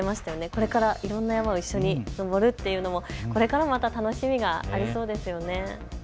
これからいろんな山を一緒に登るっていうのもこれからまた楽しみがありそうですよね。